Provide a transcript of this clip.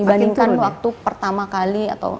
dibandingkan waktu pertama kali